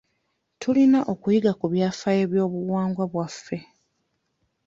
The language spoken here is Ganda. Tuyina okuyiga ku byafaayo by'obuwangwa bwaffe.